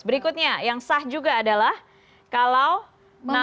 berikutnya yang sah juga adalah kalau